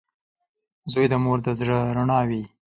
• زوی د مور د زړۀ رڼا وي.